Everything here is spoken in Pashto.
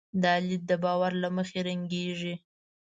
دا لید د باور له مخې رنګېږي.